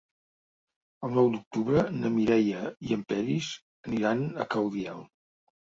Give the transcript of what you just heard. El nou d'octubre na Mireia i en Peris aniran a Caudiel.